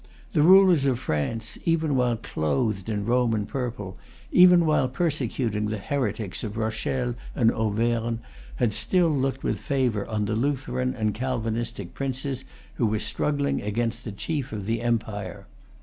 The rulers of France, even while clothed in the Roman purple, even while persecuting the heretics of Rochelle and Auvergne, had still looked with favor on the Lutheran and Calvinistic princes who were struggling against the chief of the empire.